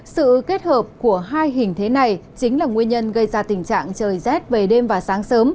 sự kết hợp của hai hình thế này chính là nguyên nhân gây ra tình trạng trời rét về đêm và sáng sớm